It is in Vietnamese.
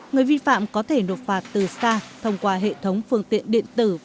người vi phạm có thể nộp phạt từ xa thông qua hệ thống phương tiện điện tử